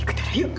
ikut dora yuk